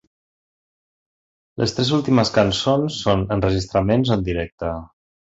Les tres últimes cançons són enregistraments en directe.